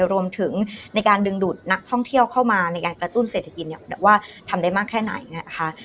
รวมถึงในการดึงดูดนักท่องเที่ยวเข้ามาในการกระตุ้นเศรษฐกิจว่าทำได้มากแค่ไหนนะคะ